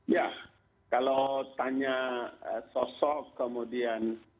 ya kalau tanya sosok kemudian